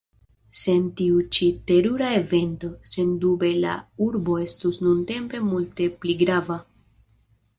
Sen tiu ĉi terura evento, sendube la urbo estus nuntempe multe pli grava.